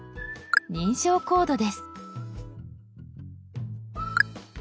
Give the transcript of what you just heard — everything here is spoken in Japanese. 認証コードです。